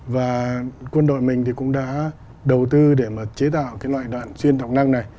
và quân đội mình thì cũng đã đầu tư để mà chế tạo cái loại đạn xuyên động năng này